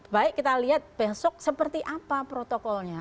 baik kita lihat besok seperti apa protokolnya